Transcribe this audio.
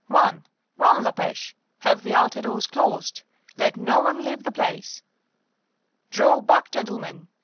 "Run, run, La Pêche! Have the outer doors closed; let no one leave the place." "Draw back, gentlemen!"